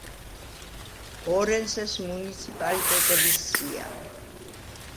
ორენსეს მუნიციპალიტეტების სია.